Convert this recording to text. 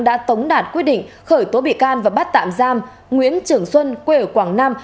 đã tống đạt quyết định khởi tố bị can và bắt tạm giam nguyễn trường xuân quê ở quảng nam